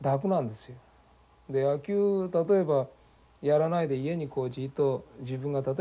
例えばやらないで家にじっと自分が。